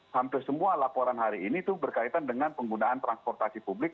hampir semua laporan hari ini itu berkaitan dengan penggunaan transportasi publik